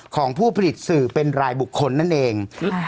ของผู้ผลิตสื่อเป็นรายบุคคลนั่นเอง